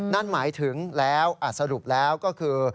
นั่นหมายถึงแล้วสรุปแล้วก็คือ